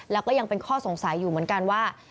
แล้วก็ยังเป็นข้อสงสัยอยู่เหมือนกันว่า